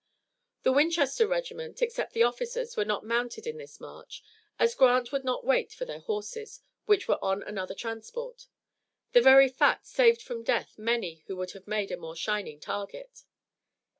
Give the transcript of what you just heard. The Winchester regiment, except the officers, were not mounted in this march, as Grant would not wait for their horses, which were on another transport. The very fact saved from death many who would have made a more shining target.